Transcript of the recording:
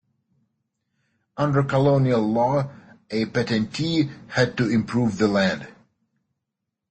Under colonial law, a patentee had to improve the land.